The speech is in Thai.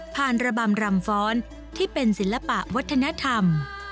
ระบำรำฟ้อนที่เป็นศิลปะวัฒนธรรม